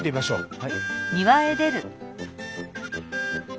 はい。